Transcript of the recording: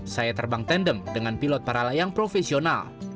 saya terbang tandem dengan pilot para layang profesional